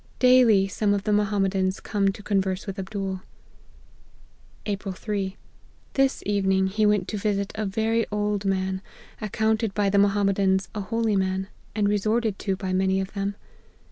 Daily some of the Mohammedans come to converse with Abdool. " April 3. This evening he went to visit a very old man, accounted by the Mohammedans a holy man, and resorted to by many of them.